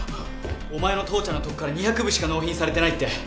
お前の父ちゃんのとこから２００部しか納品されてないって。